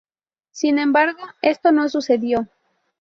Sin embargo, esto no sucedió.